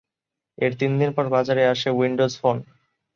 এর তিনদিন পর বাজারে আসে উইন্ডোজ ফোন।